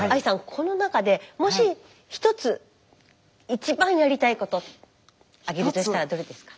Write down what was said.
この中でもし一つ一番やりたいこと挙げるとしたらどれですか？